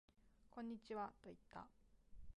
こんにちはと言った